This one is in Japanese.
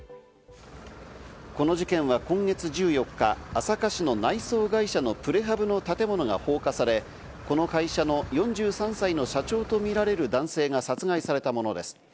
この事件は今月１４日、朝霞市の内装会社のプレハブの建物が放火され、この会社の４３歳の社長とみられる男性が殺害されたものです。